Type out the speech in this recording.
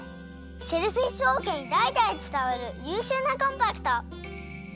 シェルフィッシュおうけにだいだいつたわるゆうしゅうなコンパクト！